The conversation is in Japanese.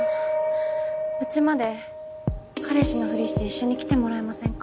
うちまで彼氏のふりして一緒に来てもらえませんか？